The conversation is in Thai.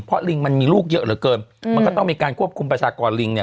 เพราะลิงมันมีลูกเยอะเหลือเกินมันก็ต้องมีการควบคุมประชากรลิงเนี่ย